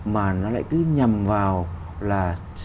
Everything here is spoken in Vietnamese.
mà nó lại cứ nhầm vào là